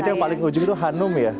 itu yang paling ujung itu hanum ya